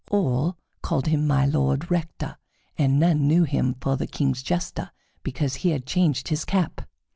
All called him My Lord Rector, and none knew him for the King's Jester because he had changed his cap.